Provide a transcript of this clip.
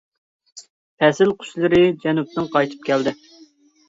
پەسىل قۇشلىرى جەنۇبتىن قايتىپ كەلدى.